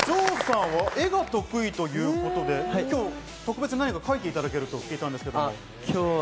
ＪＯさんは絵が得意ということで特別に何か描いていただけると聞いたんですけど。